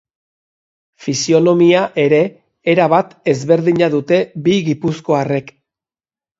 Fisionomia ere erabat ezberdina dute bi gipuzkoarrek.